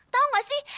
tahu enggak sih